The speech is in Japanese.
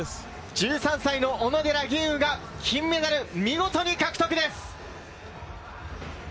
１３歳の小野寺吟雲が金メダル、見事に獲得です。